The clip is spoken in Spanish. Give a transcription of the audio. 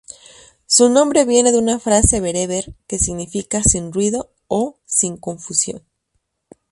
Su nombre viene de una frase bereber que significa "sin ruido" o "sin confusión".